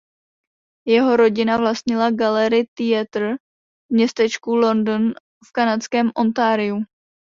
Jeho rodina vlastnila "Gallery Theatre" v městečku London v kanadském Ontariu.